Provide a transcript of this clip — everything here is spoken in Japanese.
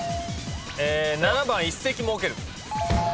７番一席設ける。